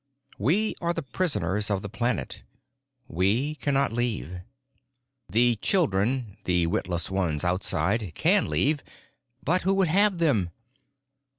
"We are the prisoners of the planet. We cannot leave. "The children—the witless ones outside—can leave. But who would have them?"